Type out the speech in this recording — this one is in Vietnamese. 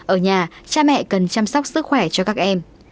ở nhà cha mẹ cần chăm sóc sức khỏe cho các em